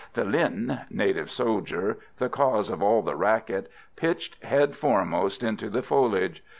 The linh (native soldier), the cause of all the racket, pitched head foremost into the foliage.